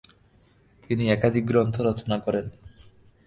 তিনি একাধিক গ্রন্থ রচনা করেছেন।